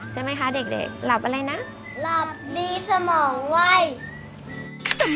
ใช่ไหมคะเด็กหลับอะไรนะ